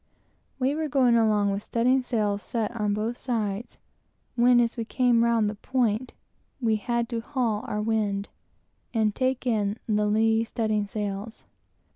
We were going along with studding sails set on both sides, when, as we came round the point, we had to haul our wind, and take in the lee studding sails.